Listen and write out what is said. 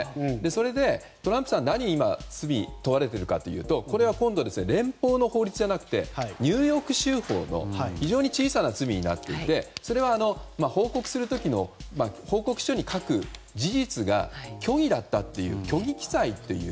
それでトランプさん、何の罪に今、問われているかというとこれは今度連邦の法律ではなくてニューヨーク州法の非常に小さな罪になっていてそれは報告する時の報告書に書く事実が虚偽だったという虚偽記載という。